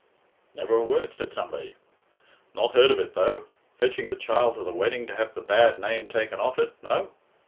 "Never a word," said somebody. "Not heard of it, though? Fetching the child to the wedding to have the bad name taken off it no?